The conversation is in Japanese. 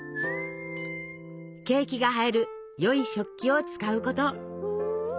ケーキが映えるよい食器を使うこと。